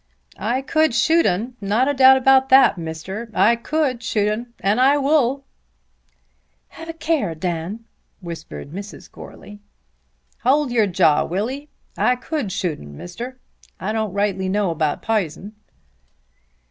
"I could shoot 'un; not a doubt about that, Mister. I could shoot 'un; and I wull." "Have a care, Dan," whispered Mrs. Goarly. "Hold your jaw, will ye? I could shoot 'un, Mister. I don't rightly know about p'ison."